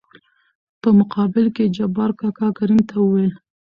په مقابل کې يې جبار کاکا کريم ته وويل :